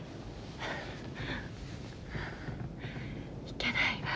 いけないわ